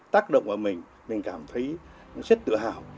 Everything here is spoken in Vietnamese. tác động ở mình mình cảm thấy rất tự hào